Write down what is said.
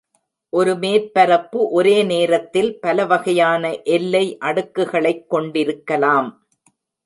ஒரு மேற்பரப்பு ஒரே நேரத்தில் பல வகையான எல்லை அடுக்குகளைக் கொண்டிருக்கலாம்.